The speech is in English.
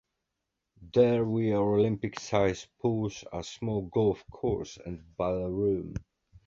There were Olympic-sized pools, a small golf course and a ballroom.